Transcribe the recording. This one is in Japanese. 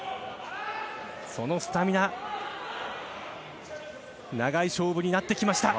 そのスタミナ長い勝負になってきました。